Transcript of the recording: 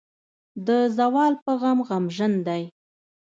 د زوال پۀ غم غمژن دے ۔